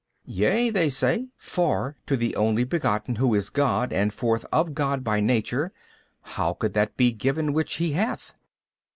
B. Yea (they say), for to the Only Begotten Who is God and forth of God by Nature, how could that be given which He hath?